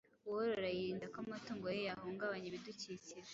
Uworora yirinda ko amatungo ye yahungabanya ibidukikije.